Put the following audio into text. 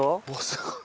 すごい。